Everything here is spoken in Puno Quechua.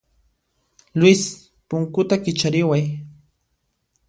Luis, punkuta kichariway.